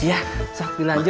ya sahabat dilanjut